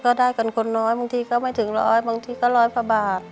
ได้กันคนน้อยบางทีก็ไม่ถึงร้อยบางทีก็ร้อยกว่าบาท